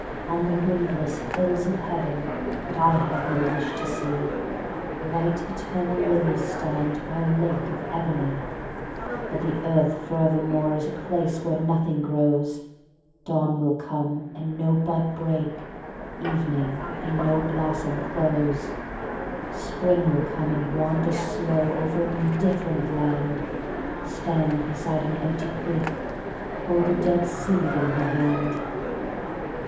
On the windless hills of Heaven, That I have no wish to see, White, eternal lilies stand, By a lake of ebony. But the Earth forevermore Is a place where nothing grows, Dawn will come, and no bud break; Evening, and no blossom close. Spring will come, and wander slow Over an indifferent land, Stand beside an empty creek, Hold a dead seed in her hand."